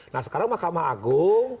nah sekarang makam agung